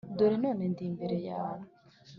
dore none ndi imbere yawe